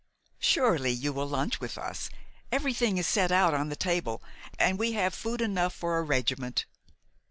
"Surely you will lunch with us. Everything is set out on the table, and we have food enough for a regiment."